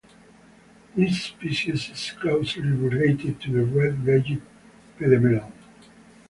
This species is closely related to the red-legged pademelon.